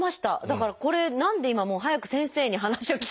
だからこれ何で今もう早く先生に話を聞きたくって。